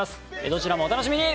どちらもお楽しみに！